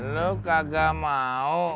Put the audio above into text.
lo kagak mau